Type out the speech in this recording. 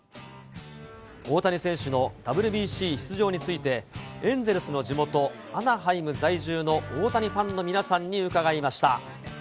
大谷選手のＷＢＣ出場について、エンゼルスの地元、アナハイム在住の大谷ファンの皆さんに伺いました。